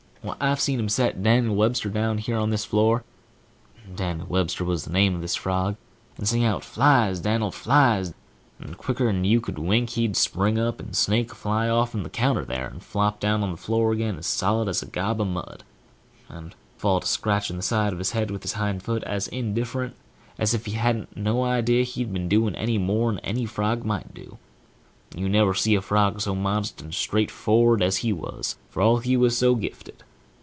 Why, I've seen him set Dan'l Webster down here on this floor&#8212Dan'l Webster was the name of the frog&#8212and sing out, "Flies, Dan'l, flies!" and quicker'n you could wink, he'd spring straight up, and snake a fly off'n the counter there, and flop down on the floor again as solid as a gob of mud, and fall to scratching the side of his head with his hind foot as indifferent as if he hadn't no idea he'd been doin' any more'n any frog might do. You never see a frog so modest and straightfor'ard as he was, for all he was so gifted.